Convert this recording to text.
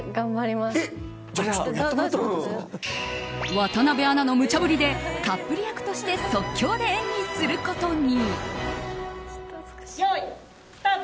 渡辺アナのむちゃ振りでカップル役として即興で演技することに。